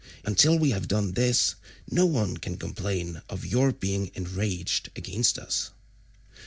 Until we have done this no one can complain of your being enraged against us."